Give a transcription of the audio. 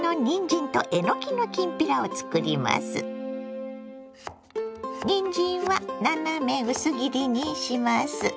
にんじんは斜め薄切りにします。